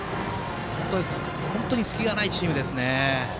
本当に隙がないチームですね。